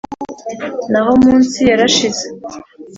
na ho mu nsi yarashiz e'